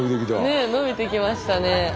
ね伸びてきましたね。